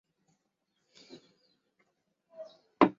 后复兴社改为军事委员会调查统计局。